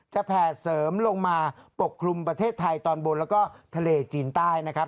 แผ่เสริมลงมาปกคลุมประเทศไทยตอนบนแล้วก็ทะเลจีนใต้นะครับ